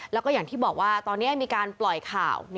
แล้วก็อย่างที่บอกว่าตอนนี้มีการปล่อยข่าว